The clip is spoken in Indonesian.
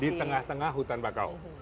di tengah tengah hutan bakau